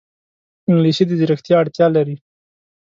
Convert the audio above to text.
انګلیسي د ځیرکتیا اړتیا لري